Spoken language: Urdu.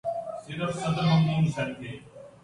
صرف صدر ممنون حسین تھے۔